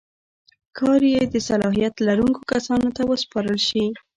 کار یې د صلاحیت لرونکو کسانو ته وسپارل شي.